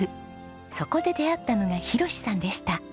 そこで出会ったのが博さんでした。